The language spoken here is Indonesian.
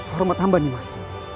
hormat hamba nimas